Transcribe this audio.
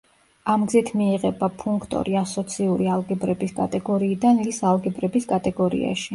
ამ გზით მიიღება ფუნქტორი ასოციური ალგებრების კატეგორიიდან ლის ალგებრების კატეგორიაში.